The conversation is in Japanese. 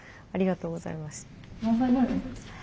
ありがとうございます。